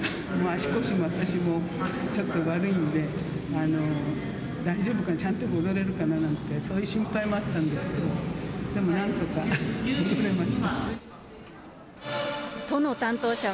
足腰、私もちょっと悪いんで、大丈夫かな、ちゃんと踊れるかなって、そういう心配もあったんですけど、でもなんとか踊れました。